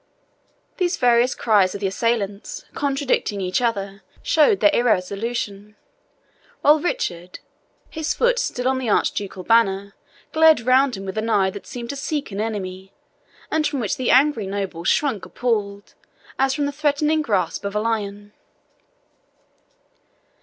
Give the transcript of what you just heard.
These various cries of the assailants, contradicting each other, showed their irresolution; while Richard, his foot still on the archducal banner, glared round him with an eye that seemed to seek an enemy, and from which the angry nobles shrunk appalled, as from the threatened grasp of a lion.